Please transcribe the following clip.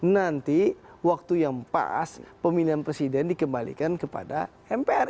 nanti waktu yang pas pemilihan presiden dikembalikan kepada mpr